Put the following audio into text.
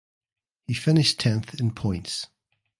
He finished tenth in points.